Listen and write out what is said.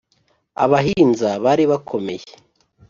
abahinza bari bakomeye